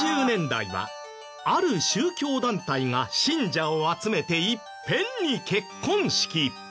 ９０年代はある宗教団体が信者を集めていっぺんに結婚式。